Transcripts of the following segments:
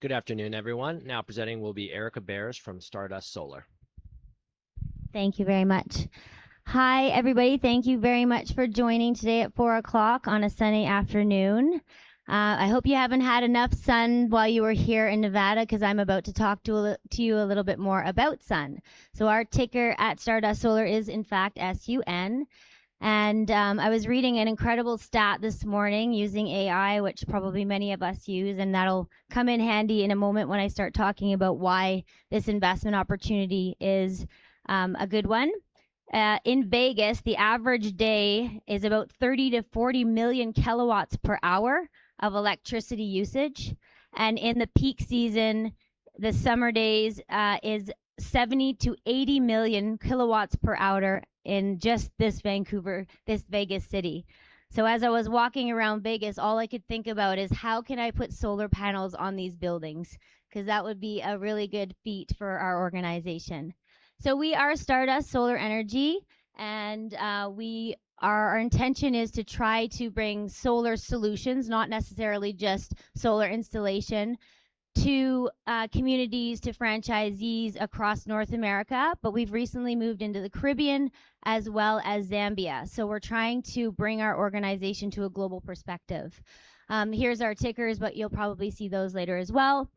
Good afternoon, everyone. Now presenting will be Erica Bearss from Stardust Solar. Thank you very much. Hi, everybody. Thank you very much for joining today at 4:00 on a sunny afternoon. I hope you haven't had enough SUN while you were here in Nevada, because I'm about to talk to you a little bit more about SUN. Our ticker at Stardust Solar is, in fact, SUN. I was reading an incredible stat this morning using AI, which probably many of us use, and that'll come in handy in a moment when I start talking about why this investment opportunity is a good one. In Vegas, the average day is about 30 million-40 million kilowatts per hour of electricity usage. In the peak season, the summer days, is 70 million-80 million kilowatts per hour in just this Vegas city. As I was walking around Vegas, all I could think about is how can I put solar panels on these buildings? Because that would be a really good feat for our organization. We are Stardust Solar Energy, and our intention is to try to bring solar solutions, not necessarily just solar installation, to communities, to franchisees across North America. We've recently moved into the Caribbean as well as Zambia. We're trying to bring our organization to a global perspective. Here's our tickers, you'll probably see those later as well.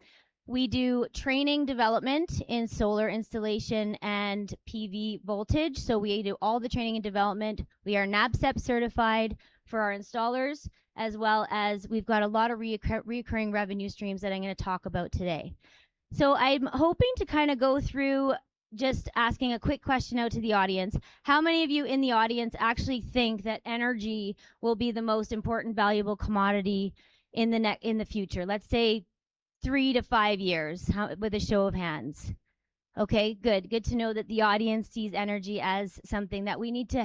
We do training development in solar installation and PV voltage. We do all the training and development. We are NABCEP certified for our installers, as well as we've got a lot of recurring revenue streams that I'm going to talk about today. I'm hoping to go through, just asking a quick question out to the audience, how many of you in the audience actually think that energy will be the most important, valuable commodity in the future, let's say 3-5 years, with a show of hands? Okay, good. Good to know that the audience sees energy as something that we need to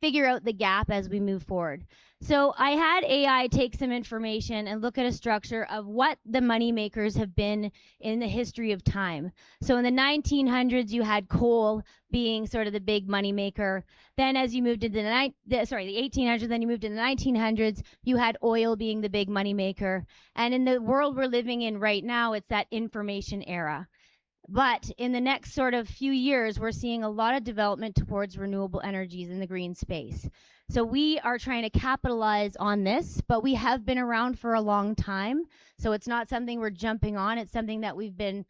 figure out the gap as we move forward. I had AI take some information and look at a structure of what the money makers have been in the history of time. In the 1900s, you had coal being sort of the big money maker. Then as you moved into the 1800s, then you moved into the 1900s, you had oil being the big money maker. In the world we're living in right now, it's that information era. In the next few years, we're seeing a lot of development towards renewable energies in the green space. We are trying to capitalize on this, but we have been around for a long time, it's not something we're jumping on. It's something that we've been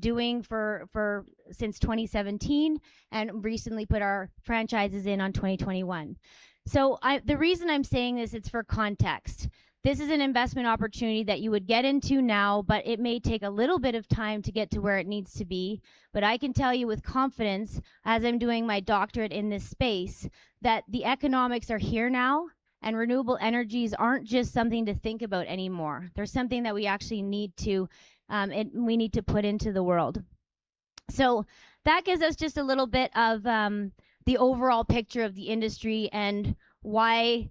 doing since 2017 and recently put our franchises in on 2021. The reason I'm saying this, it's for context. This is an investment opportunity that you would get into now, but it may take a little bit of time to get to where it needs to be. But I can tell you with confidence, as I'm doing my doctorate in this space, that the economics are here now, and renewable energies aren't just something to think about anymore. They're something that we actually need to put into the world. That gives us just a little bit of the overall picture of the industry and why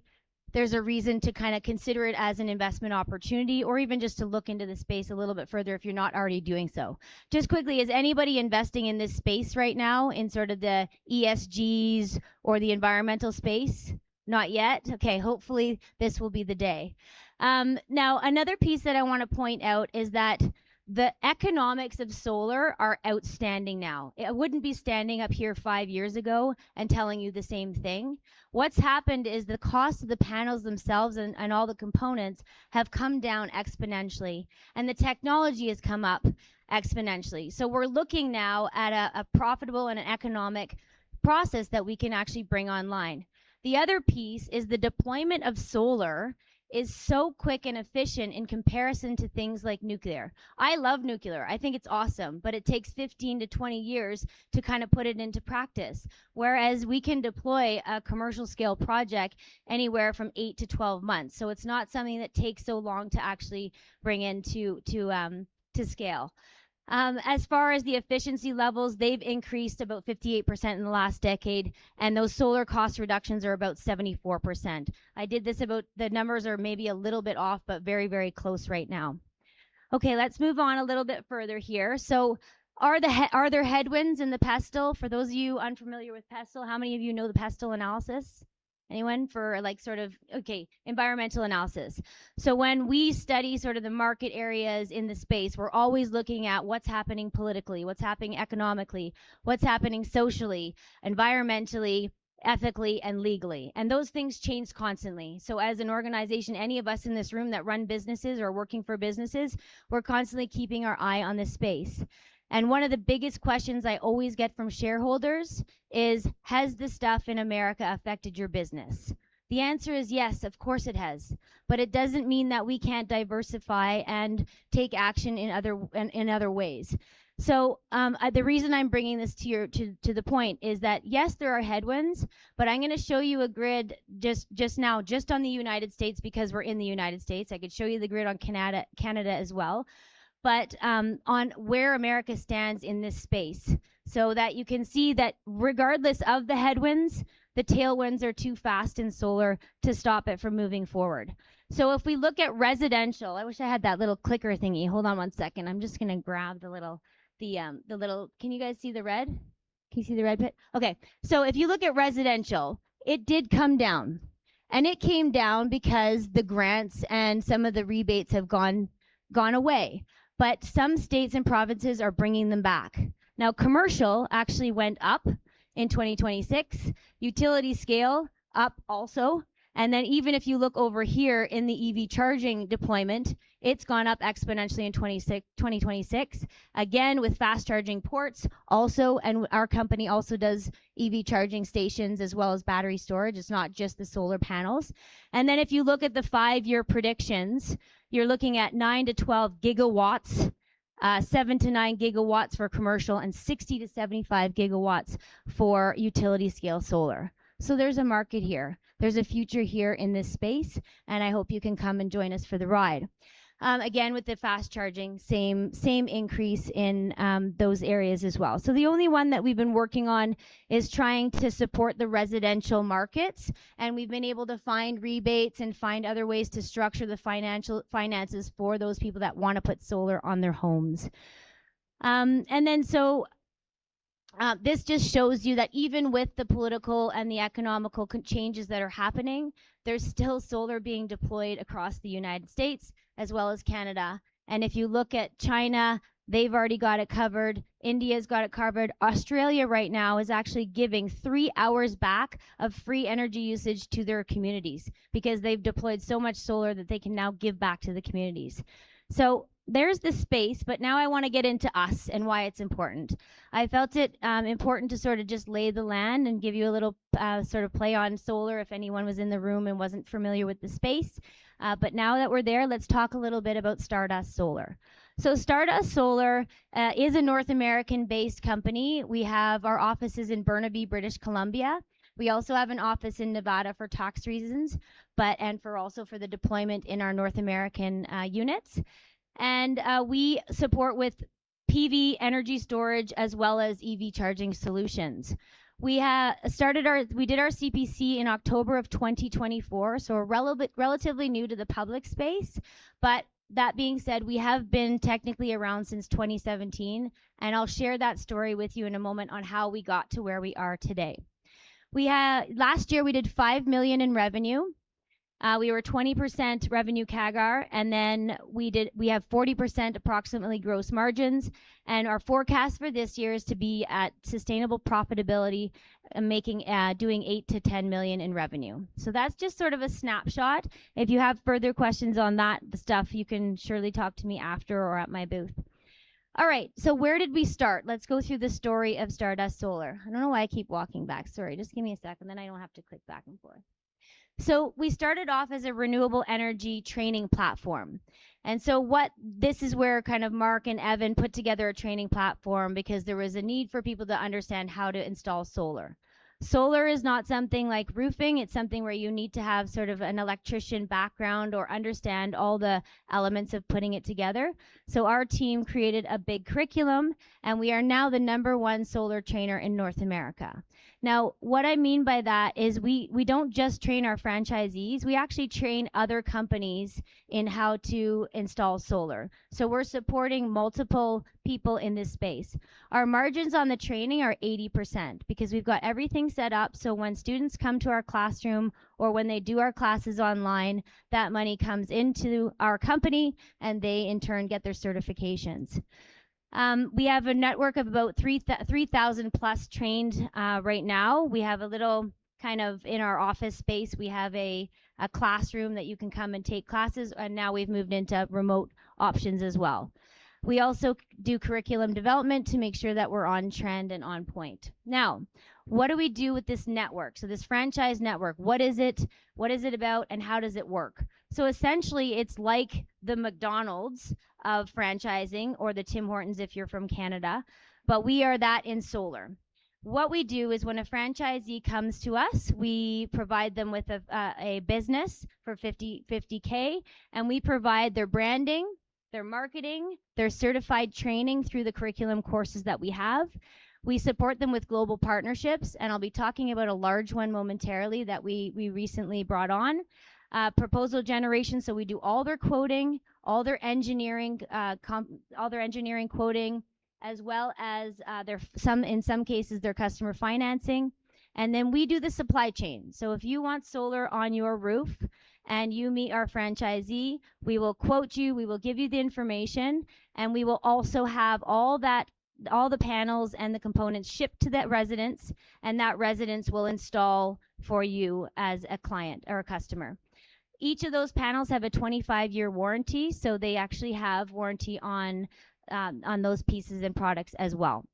there's a reason to consider it as an investment opportunity, or even just to look into the space a little bit further if you're not already doing so. Just quickly, is anybody investing in this space right now, in sort of the ESGs or the environmental space? Not yet? Okay. Hopefully, this will be the day. Another piece that I want to point out is that the economics of solar are outstanding now. I wouldn't be standing up here five years ago and telling you the same thing. What's happened is the cost of the panels themselves and all the components have come down exponentially, and the technology has come up exponentially. We're looking now at a profitable and an economic process that we can actually bring online. The other piece is the deployment of solar is so quick and efficient in comparison to things like nuclear. I love nuclear. I think it's awesome, but it takes 15-20 years to put it into practice, whereas we can deploy a commercial scale project anywhere from eight to 12 months. It's not something that takes so long to actually bring into scale. As far as the efficiency levels, they've increased about 58% in the last decade, and those solar cost reductions are about 74%. The numbers are maybe a little bit off, but very close right now. Let's move on a little bit further here. Are there headwinds in the PESTEL? For those of you unfamiliar with PESTEL, how many of you know the PESTEL analysis? Anyone? Environmental analysis. When we study the market areas in the space, we're always looking at what's happening politically, what's happening economically, what's happening socially, environmentally, ethically, and legally, and those things change constantly. As an organization, any of us in this room that run businesses or working for businesses, we're constantly keeping our eye on this space. One of the biggest questions I always get from shareholders is, "Has the stuff in the U.S. affected your business?" The answer is yes, of course, it has. It doesn't mean that we can't diversify and take action in other ways. The reason I'm bringing this to the point is that, yes, there are headwinds, but I'm going to show you a grid just now, just on the U.S., because we're in the U.S. I could show you the grid on Canada as well, but on where the U.S. stands in this space, so that you can see that regardless of the headwinds, the tailwinds are too fast in solar to stop it from moving forward. If we look at residential-- I wish I had that little clicker thingy. Hold on one second. I'm just going to grab the little Can you guys see the red? Can you see the red bit? If you look at residential, it did come down, and it came down because the grants and some of the rebates have gone away. Some states and provinces are bringing them back. Commercial actually went up in 2026. Utility scale, up also. Even if you look over here in the EV charging deployment, it's gone up exponentially in 2026. Again, with fast charging ports also, our company also does EV charging stations as well as battery storage. It's not just the solar panels. If you look at the 5-year predictions, you're looking at 9-12 gigawatts, 7-9 gigawatts for commercial, and 60-75 gigawatts for utility scale solar. There's a market here. There's a future here in this space, and I hope you can come and join us for the ride. Again, with the fast charging, same increase in those areas as well. The only one that we've been working on is trying to support the residential markets, and we've been able to find rebates and find other ways to structure the finances for those people that want to put solar on their homes. This just shows you that even with the political and the economical changes that are happening, there's still solar being deployed across the U.S. as well as Canada. If you look at China, they've already got it covered. India's got it covered. Australia right now is actually giving 3 hours back of free energy usage to their communities because they've deployed so much solar that they can now give back to the communities. There's the space, but now I want to get into us and why it's important. I felt it important to sort of just lay the land and give you a little sort of play on solar if anyone was in the room and wasn't familiar with the space. Now that we're there, let's talk a little bit about Stardust Solar. Stardust Solar is a North American-based company. We have our offices in Burnaby, British Columbia. We also have an office in Nevada for tax reasons, and also for the deployment in our North American units. We support with PV energy storage as well as EV charging solutions. We did our CPC in October of 2024, so we're relatively new to the public space. That being said, we have been technically around since 2017, and I'll share that story with you in a moment on how we got to where we are today. Last year, we did 5 million in revenue. We were 20% revenue CAGR, we have 40% approximately gross margins. Our forecast for this year is to be at sustainable profitability, doing 8 million-10 million in revenue. That's just sort of a snapshot. If you have further questions on that stuff, you can surely talk to me after or at my booth. All right. Where did we start? Let's go through the story of Stardust Solar. I don't know why I keep walking back. Sorry. Just give me a sec, and then I don't have to click back and forth. We started off as a renewable energy training platform. This is where Mark and Evan put together a training platform because there was a need for people to understand how to install solar. Solar is not something like roofing. It's something where you need to have sort of an electrician background or understand all the elements of putting it together. Our team created a big curriculum, and we are now the number 1 solar trainer in North America. What I mean by that is we don't just train our franchisees. We actually train other companies in how to install solar. We're supporting multiple people in this space. Our margins on the training are 80% because we've got everything set up so when students come to our classroom or when they do our classes online, that money comes into our company, and they in turn get their certifications. We have a network of about 3,000-plus trained right now. In our office space, we have a classroom that you can come and take classes, and now we've moved into remote options as well. We also do curriculum development to make sure that we're on trend and on point. What do we do with this network? This franchise network, what is it, what is it about, and how does it work? Essentially, it's like the McDonald's of franchising or the Tim Hortons if you're from Canada, but we are that in solar. What we do is when a franchisee comes to us, we provide them with a business for 50K, and we provide their branding, their marketing, their certified training through the curriculum courses that we have. We support them with global partnerships, and I'll be talking about a large one momentarily that we recently brought on. Proposal generation, we do all their quoting, all their engineering quoting, as well as, in some cases, their customer financing. We do the supply chain. If you want solar on your roof and you meet our franchisee, we will quote you, we will give you the information, and we will also have all the panels and the components shipped to that residence, and that residence will install for you as a client or a customer. Each of those panels have a 25-year warranty, so they actually have warranty on those pieces and products as well.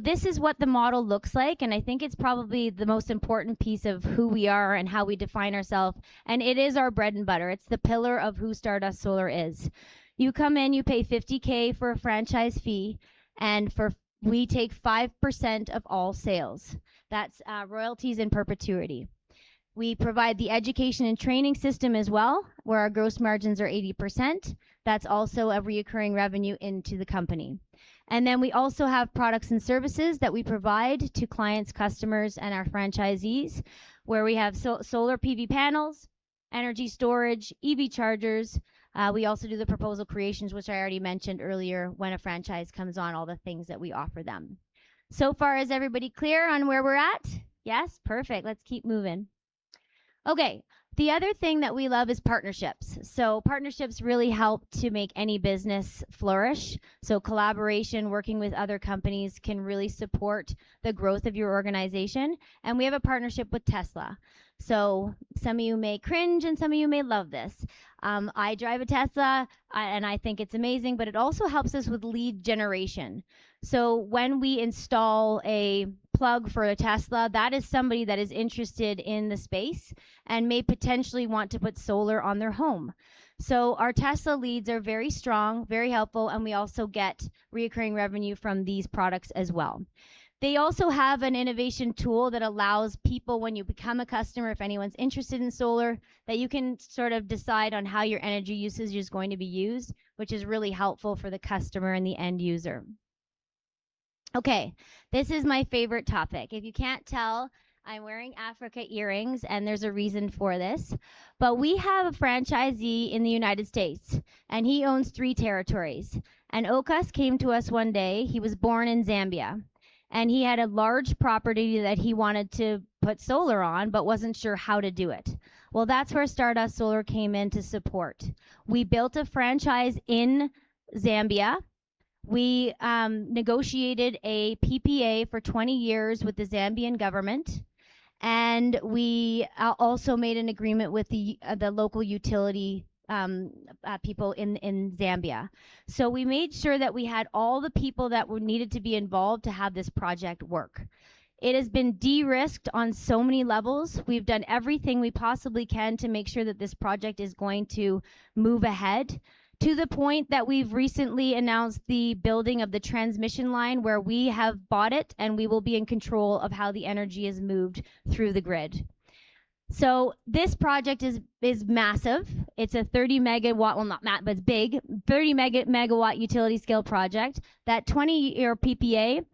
This is what the model looks like, and I think it's probably the most important piece of who we are and how we define ourself, and it is our bread and butter. It's the pillar of who Stardust Solar is. You come in, you pay 50K for a franchise fee, and we take 5% of all sales. That's royalties in perpetuity. We provide the education and training system as well, where our gross margins are 80%. That's also a reoccurring revenue into the company. We also have products and services that we provide to clients, customers, and our franchisees, where we have solar PV panels Energy storage, EV chargers. We also do the proposal creations, which I already mentioned earlier, when a franchise comes on, all the things that we offer them. So far, is everybody clear on where we're at? Yes? Perfect. Let's keep moving. Okay. The other thing that we love is partnerships. Partnerships really help to make any business flourish. Collaboration, working with other companies can really support the growth of your organization, and we have a partnership with Tesla. Some of you may cringe, and some of you may love this. I drive a Tesla, and I think it's amazing, but it also helps us with lead generation. When we install a plug for a Tesla, that is somebody that is interested in the space and may potentially want to put solar on their home. Our Tesla leads are very strong, very helpful, and we also get recurring revenue from these products as well. They also have an innovation tool that allows people, when you become a customer, if anyone's interested in solar, that you can sort of decide on how your energy usage is going to be used, which is really helpful for the customer and the end user. This is my favorite topic. If you can't tell, I'm wearing Africa earrings, and there's a reason for this, but we have a franchisee in the U.S., and he owns three territories. Ochas came to us one day. He was born in Zambia, and he had a large property that he wanted to put solar on but wasn't sure how to do it. That's where Stardust Solar came in to support. We built a franchise in Zambia. We negotiated a PPA for 20 years with the Zambian government, and we also made an agreement with the local utility people in Zambia. We made sure that we had all the people that were needed to be involved to have this project work. It has been de-risked on so many levels. We've done everything we possibly can to make sure that this project is going to move ahead, to the point that we've recently announced the building of the transmission line where we have bought it, and we will be in control of how the energy is moved through the grid. This project is massive. It's a 30 MW, not massive, but it's big, 30 MW utility scale project. That 20-year PPA,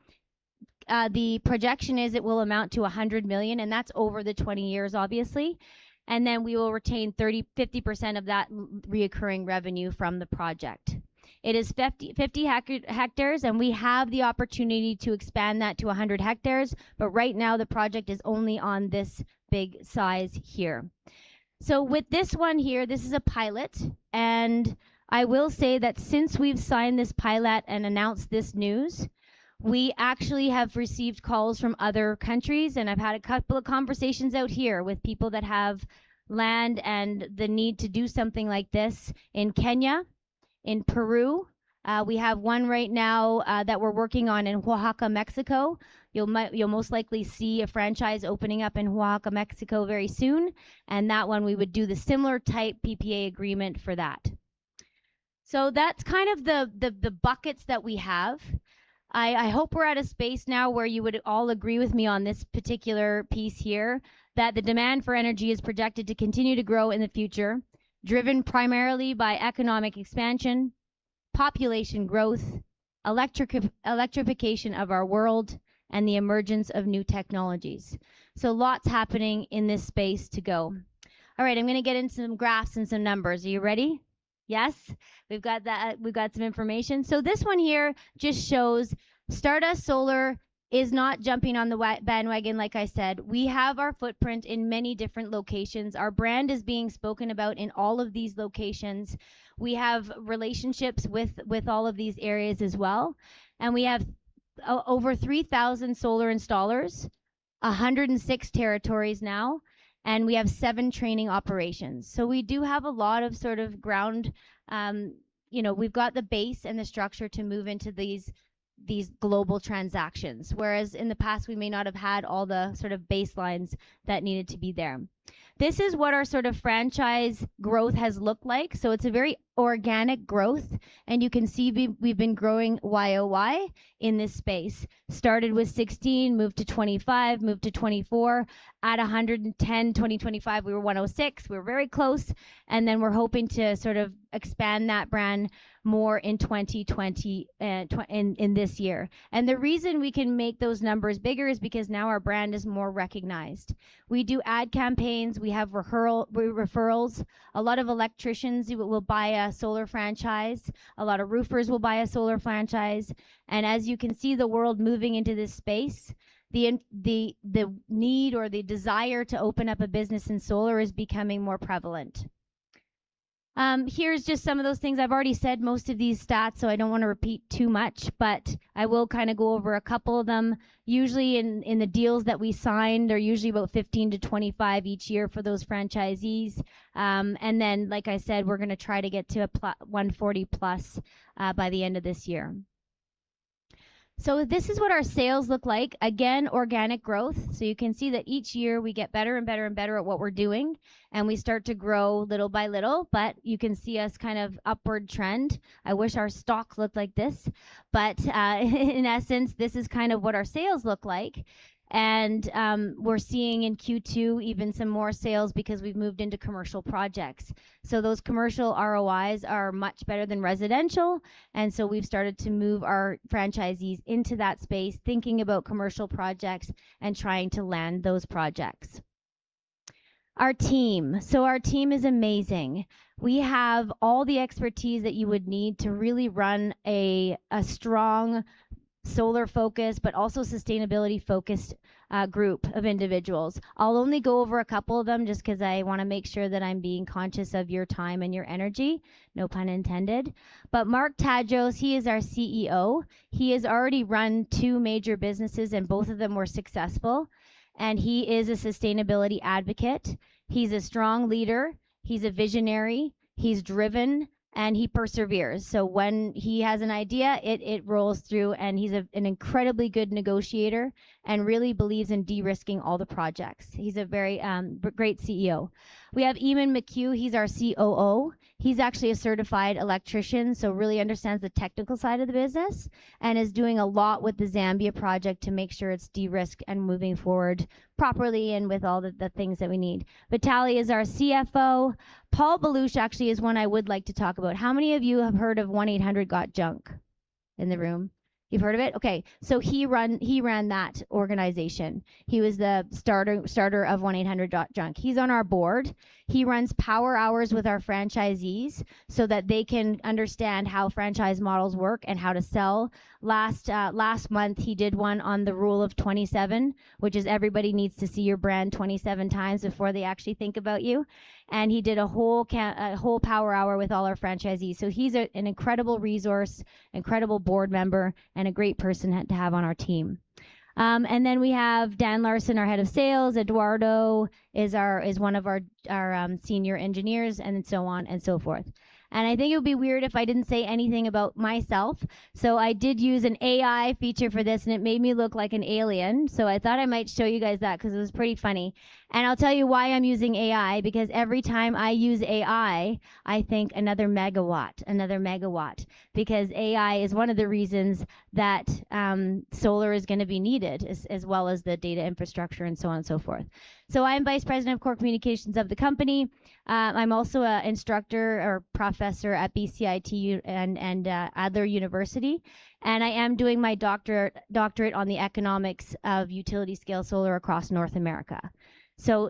the projection is it will amount to 100 million, and that's over the 20 years, obviously. We will retain 50% of that recurring revenue from the project. It is 50 hectares, and we have the opportunity to expand that to 100 hectares. But right now the project is only on this big size here. With this one here, this is a pilot, and I will say that since we've signed this pilot and announced this news, we actually have received calls from other countries, and I've had a couple of conversations out here with people that have land and the need to do something like this in Kenya, in Peru. We have one right now that we're working on in Oaxaca, Mexico. You'll most likely see a franchise opening up in Oaxaca, Mexico, very soon, and that one we would do the similar type PPA agreement for that. That's kind of the buckets that we have. I hope we're at a space now where you would all agree with me on this particular piece here, that the demand for energy is projected to continue to grow in the future, driven primarily by economic expansion, population growth, electrification of our world, and the emergence of new technologies. Lots happening in this space to go. All right. I'm going to get into some graphs and some numbers. Are you ready? Yes? We've got some information. This one here just shows Stardust Solar is not jumping on the bandwagon, like I said. We have our footprint in many different locations. Our brand is being spoken about in all of these locations. We have relationships with all of these areas as well. We have over 3,000 solar installers, 106 territories now, and we have seven training operations. We do have a lot of ground. We've got the base and the structure to move into these global transactions, whereas in the past, we may not have had all the sort of baselines that needed to be there. This is what our franchise growth has looked like. It's a very organic growth, and you can see we've been growing Y-o-Y in this space. Started with 16, moved to 25, moved to 24. At 110, 2025, we were 106. We're very close. We're hoping to sort of expand that brand more in this year. The reason we can make those numbers bigger is because now our brand is more recognized. We do ad campaigns, we have referrals. A lot of electricians will buy a solar franchise. A lot of roofers will buy a solar franchise. As you can see, the world moving into this space, the need or the desire to open up a business in solar is becoming more prevalent. Here's just some of those things. I've already said most of these stats. I don't want to repeat too much, but I will go over a couple of them. Usually, in the deals that we sign, they're usually about 15 to 25 each year for those franchisees. Like I said, we're going to try to get to a 140 plus by the end of this year. This is what our sales look like. Again, organic growth. You can see that each year we get better and better and better at what we're doing. We start to grow little by little, but you can see us kind of upward trend. I wish our stock looked like this, but in essence, this is what our sales look like. We're seeing in Q2 even some more sales because we've moved into commercial projects. Those commercial ROIs are much better than residential, and so we've started to move our franchisees into that space, thinking about commercial projects and trying to land those projects. Our team. Our team is amazing. We have all the expertise that you would need to really run a strong solar focus, but also sustainability-focused group of individuals. I'll only go over a couple of them just because I want to make sure that I'm being conscious of your time and your energy, no pun intended. Mark Tadros, he is our CEO. He has already run two major businesses, and both of them were successful. He is a sustainability advocate. He's a strong leader. He's a visionary. He's driven, and he perseveres. When he has an idea, it rolls through, and he's an incredibly good negotiator and really believes in de-risking all the projects. He's a very great CEO. We have Eamonn McHugh, he's our COO. He's actually a certified electrician, so really understands the technical side of the business and is doing a lot with the Zambia project to make sure it's de-risked and moving forward properly and with all the things that we need. Vitaly is our CFO. Paul Baluch actually is one I would like to talk about. How many of you have heard of 1-800-GOT-JUNK? You've heard of it? Okay. He ran that organization. He was the starter of 1-800-GOT-JUNK. He's on our board. He runs power hours with our franchisees so that they can understand how franchise models work and how to sell. Last month, he did one on the rule of 27, which is everybody needs to see your brand 27 times before they actually think about you. He did a whole power hour with all our franchisees. He's an incredible resource, incredible board member, and a great person to have on our team. We have Dan Larson, our Head of Sales. Eduardo is one of our senior engineers and so on and so forth. I think it would be weird if I didn't say anything about myself. I did use an AI feature for this, and it made me look like an alien. I thought I might show you guys that because it was pretty funny. I'll tell you why I'm using AI, because every time I use AI, I think another megawatt, because AI is one of the reasons that solar is going to be needed, as well as the data infrastructure and so on and so forth. I am Vice President of Corporate Communications of the company. I'm also an instructor or professor at BCIT and Adler University, and I am doing my doctorate on the economics of utility scale solar across North America.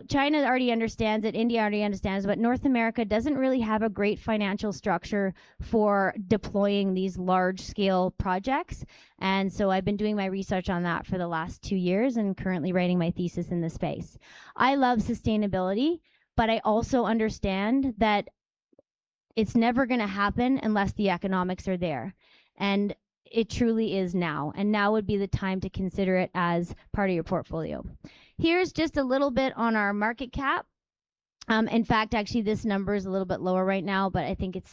China already understands it, India already understands, North America doesn't really have a great financial structure for deploying these large-scale projects. I've been doing my research on that for the last two years and currently writing my thesis in the space. I love sustainability, but I also understand that it's never going to happen unless the economics are there, and it truly is now, and now would be the time to consider it as part of your portfolio. Here's just a little bit on our market cap. In fact, actually, this number is a little bit lower right now, but I think it's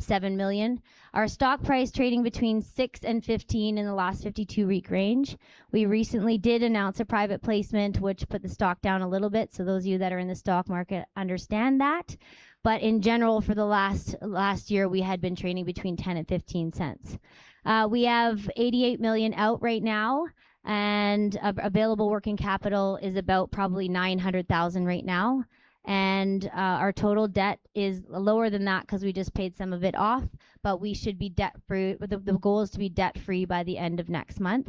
7 million. Our stock price trading between 6 and 15 in the last 52-week range. We recently did announce a private placement, which put the stock down a little bit. Those of you that are in the stock market understand that. In general, for the last year, we had been trading between 0.10 and 0.15. We have 88 million out right now, and available working capital is about probably 900,000 right now. Our total debt is lower than that because we just paid some of it off. But the goal is to be debt-free by the end of next month.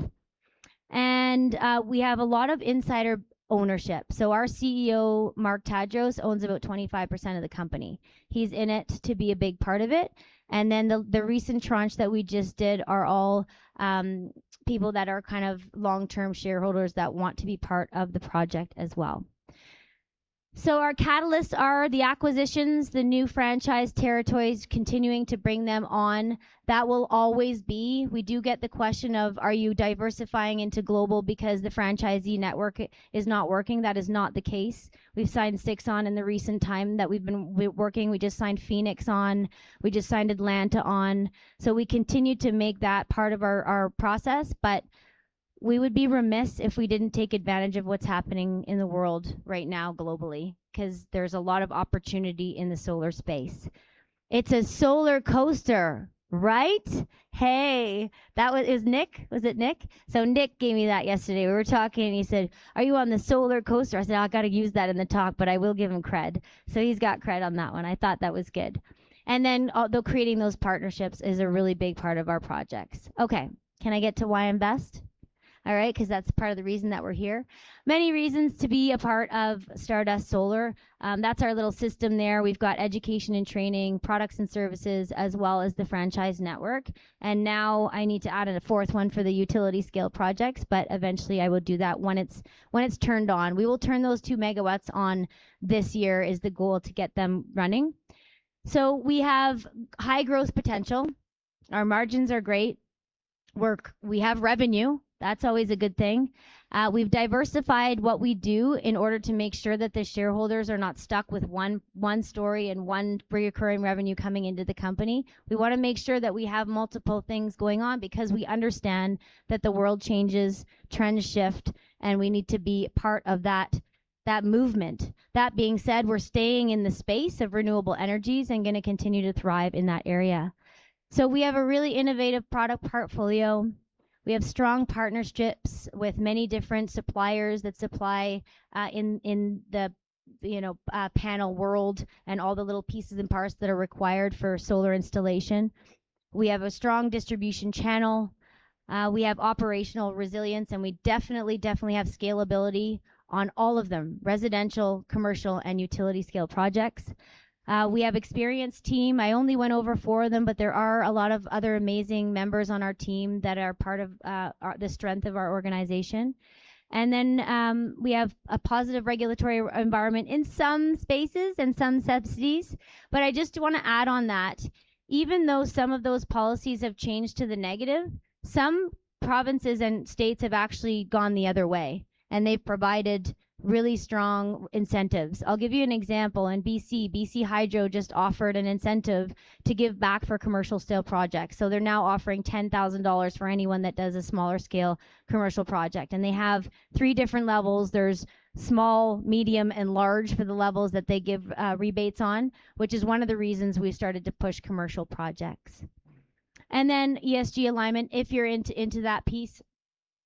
We have a lot of insider ownership. Our CEO, Mark Tadros, owns about 25% of the company. He's in it to be a big part of it. The recent tranche that we just did are all people that are long-term shareholders that want to be part of the project as well. Our catalysts are the acquisitions, the new franchise territories, continuing to bring them on. That will always be. We do get the question of, are you diversifying into global because the franchisee network is not working? That is not the case. We've signed 6 on in the recent time that we've been working. We just signed Phoenix on. We just signed Atlanta on. We continue to make that part of our process. We would be remiss if we didn't take advantage of what's happening in the world right now globally, because there's a lot of opportunity in the solar space. It's a solar coaster, right? Hey. Was it Nick? Nick gave me that yesterday. We were talking, and he said, "Are you on the solar coaster?" I said, "I've got to use that in the talk," but I will give him cred. He's got cred on that one. I thought that was good. Although creating those partnerships is a really big part of our projects. Can I get to why invest? Because that's part of the reason that we're here. Many reasons to be a part of Stardust Solar. That's our little system there. We've got education and training, products and services, as well as the franchise network. Now I need to add in a fourth one for the utility scale projects. Eventually I will do that when it's turned on. We will turn those 2 MW on this year is the goal to get them running. We have high growth potential. Our margins are great. We have revenue. That's always a good thing. We've diversified what we do in order to make sure that the shareholders are not stuck with one story and one reoccurring revenue coming into the company. We want to make sure that we have multiple things going on because we understand that the world changes, trends shift, and we need to be part of that movement. That being said, we're staying in the space of renewable energies and going to continue to thrive in that area. We have a really innovative product portfolio. We have strong partnerships with many different suppliers that supply in the panel world and all the little pieces and parts that are required for solar installation. We have a strong distribution channel, we have operational resilience, and we definitely have scalability on all of them, residential, commercial, and utility scale projects. We have an experienced team. I only went over four of them, but there are a lot of other amazing members on our team that are part of the strength of our organization. We have a positive regulatory environment in some spaces and some subsidies. I just want to add on that, even though some of those policies have changed to the negative, some provinces and states have actually gone the other way, and they've provided really strong incentives. I'll give you an example. In B.C., BC Hydro just offered an incentive to give back for commercial scale projects. They're now offering 10,000 dollars for anyone that does a smaller scale commercial project, and they have three different levels. There's small, medium, and large for the levels that they give rebates on, which is one of the reasons we started to push commercial projects. ESG alignment, if you're into that piece,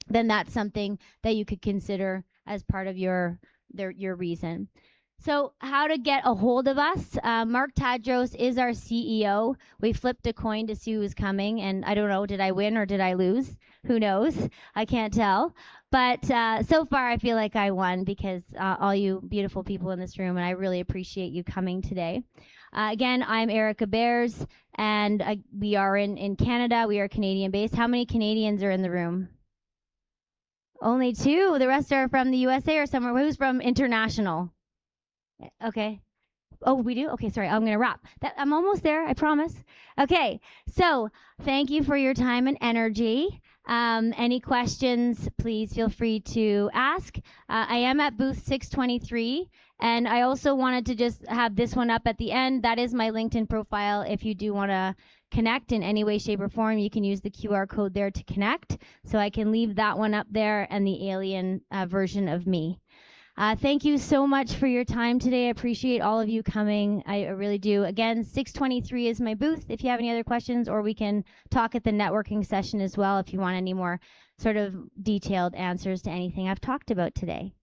then that's something that you could consider as part of your reason. How to get a hold of us. Mark Tadros is our CEO. We flipped a coin to see who was coming, I don't know, did I win or did I lose? Who knows? I can't tell. So far, I feel like I won because all you beautiful people in this room, I really appreciate you coming today. Again, I'm Erica Bearss, and we are in Canada. We are Canadian based. How many Canadians are in the room? Only two. The rest are from the U.S.A. or somewhere. Who's from international? Okay. Oh, we do? Okay, sorry. I'm going to wrap. I'm almost there, I promise. Okay. Thank you for your time and energy. Any questions, please feel free to ask. I am at Booth 623, and I also wanted to just have this one up at the end. That is my LinkedIn profile. If you do want to connect in any way, shape, or form, you can use the QR code there to connect, I can leave that one up there and the alien version of me. Thank you so much for your time today. I appreciate all of you coming, I really do. Again, 623 is my booth if you have any other questions, we can talk at the networking session as well, if you want any more detailed answers to anything I've talked about today.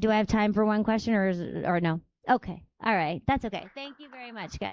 Do I have time for one question or no? Okay. All right. That's okay. Thank you very much, guys.